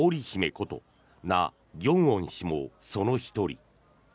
ことナ・ギョンウォン氏もその１人。